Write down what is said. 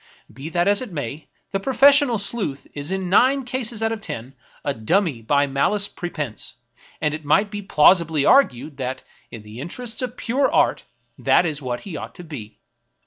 Be that as it may, the pro fessional sleuth is in nine cases out of ten a dummy by malice prepense ; and it might be plausibly argued that, in the interests of pure art, that is what he ought to be.